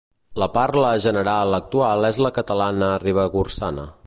La parla general actual és la catalana ribagorçana.